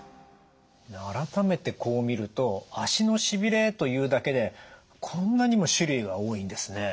改めてこう見ると足のしびれというだけでこんなにも種類が多いんですね。